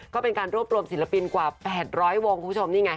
ก็เป็นการรวบรวมศิลปินกว่า๘๐๐วงคุณผู้ชมนี่ไง